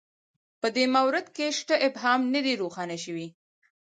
په دې مورد کې شته ابهام نه دی روښانه شوی